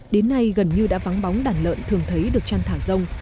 đến nay gần như đã vắng bóng đàn lợn thường thấy được chăn thả rông